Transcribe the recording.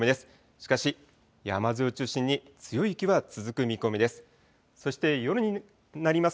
しかし山沿いを中心に強い雪は続く見込みです。